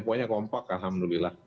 sebagainya poinnya kompak alhamdulillah